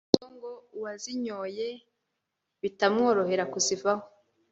dore ko ngo uwazinyoye bitamworohera kuzivaho